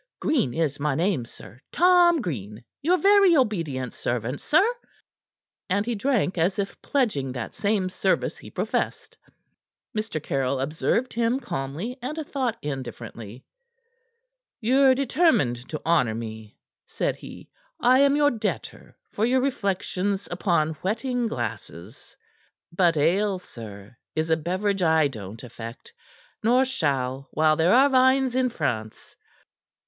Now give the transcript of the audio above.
Green is my name, sir Tom Green your very obedient servant, sir." And he drank as if pledging that same service he professed. Mr. Caryll observed him calmly and a thought indifferently. "Ye're determined to honor me," said he. "I am your debtor for your reflections upon whetting glasses; but ale, sir, is a beverage I don't affect, nor shall while there are vines in France."